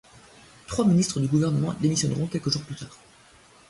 Trois ministres du gouvernement démissionneront quelques jours plus tard.